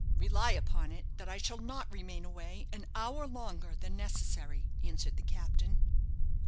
"Rely upon it that I shall not remain away an hour longer than necessary," answered the captain.